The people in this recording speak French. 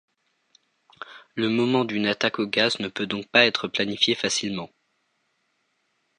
Le moment d'une attaque au gaz ne peut donc pas être planifié facilement.